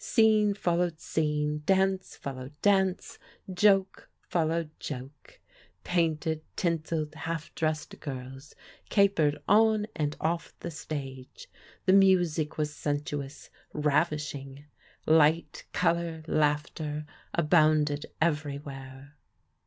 Scene followed scene, dance followed dance, joke fol lowed joke. Painted, tinselled, half dressed girls ca pered on and off the stage; the music was sensuous, ravishing; light, colour, laughter abounded every where.